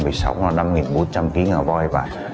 năm bốn trăm linh ký ngà voi